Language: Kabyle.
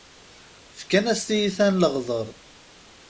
Fkan-as tiyita n leɣder!